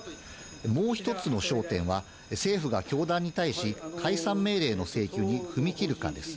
もう１つの焦点は、政府が教団に対し、解散命令の請求に踏み切るかです。